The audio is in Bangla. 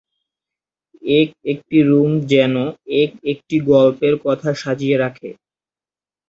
এক একটি রুম যেনো এক একটি গল্পের কথা সাজিয়ে রাখে।